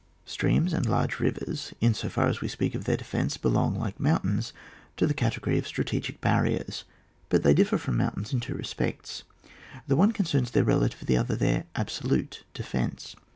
Stheaics and large rivers, in so far as we speak of their defence, belong, like mountains, to the category of strategic barriers. But they differ from mountains in two respects. The one concerns their relative, the other their absolute defence.